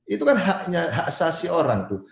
itu kan hak sasi orang tuh